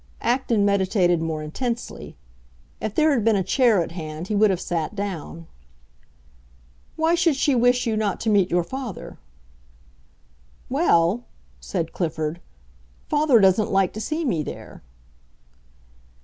Acton meditated more intensely; if there had been a chair at hand he would have sat down. "Why should she wish you not to meet your father?" "Well," said Clifford, "father doesn't like to see me there."